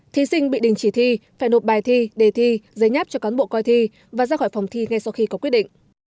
thí sinh bị đình chỉ thi phải nộp bài thi đề thi giấy nháp cho cán bộ coi thi và ra khỏi phòng thi ngay sau khi có quyết định